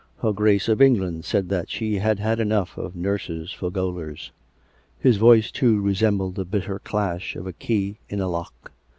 (Her Grace of England said that she had had enough of nurses for gaolers.) His voice, too, resembled the bitter clash of a key in a lock.